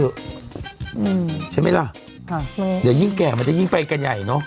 อืมใช่ไหมเราอ่ะเหมือนยิ่งแก่มันจะยิ่งไปกันใหญ่เนาะ